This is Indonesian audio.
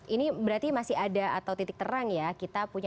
ini berarti masih ada atau titik terang di dalam keutuhan bangsa